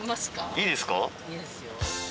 いいですよ。